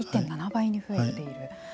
１．７倍に増えている。